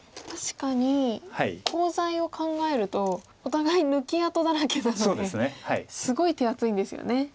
確かにコウ材を考えるとお互い抜き跡だらけなのですごい手厚いんですよね。